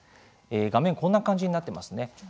画面こんな感じになっていますね。